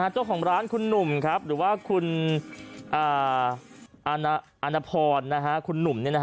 เจ้าของร้านคุณหนุมครับหรือว่าคุณอาณาพอร์นนหนุม